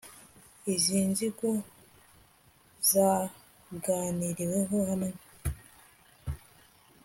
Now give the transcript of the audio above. Izi ngingo zaganiriweho hamwe